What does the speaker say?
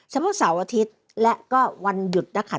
เสาร์อาทิตย์และก็วันหยุดนะคะ